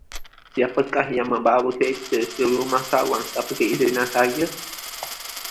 Siapakah yang membawa kereta ke rumah kawan tanpa keizinan saya?